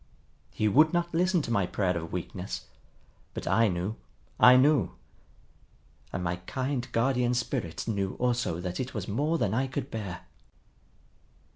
He would not listen to my prayer of weakness. But I knew, I knew! And my kind Guardian Spirit knew also that it was more than I could bear.